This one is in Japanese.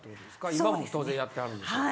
今も当然やってはるんでしょうけど。